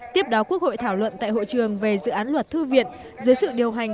tiếp đó quốc hội thảo luận tại hội trường về dự án luật thư viện dưới sự điều hành